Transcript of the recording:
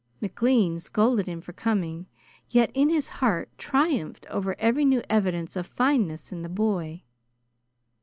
McLean scolded him for coming, yet in his heart triumphed over every new evidence of fineness in the boy.